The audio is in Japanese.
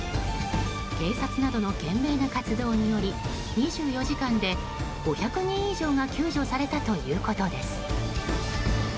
警察などの懸命な活動により２４時間で５００人以上が救助されたということです。